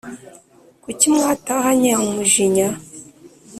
Kuki mwatahanye umujinya